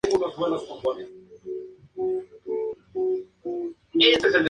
Sebastian Brandt sustituyó a Cosmic Gate.